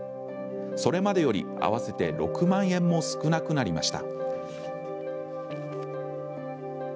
それまでより、合わせて６万円も少なくなりました。